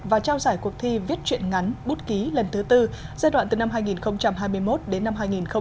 và trao giải cuộc thi viết chuyện ngắn bút ký lần thứ tư giai đoạn từ năm hai nghìn hai mươi một đến năm hai nghìn hai mươi